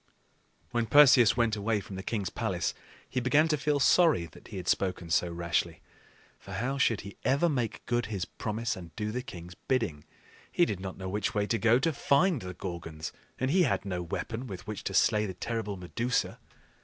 When Perseus went away from the king's palace, he began to feel sorry that he had spoken so rashly. For how should he ever make good his promise and do the king's bidding? He did not know which way to go to find the Gorgons, and he had no weapon with which to slay the terrible Medusa.